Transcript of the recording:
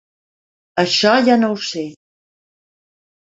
Això ja no ho sé.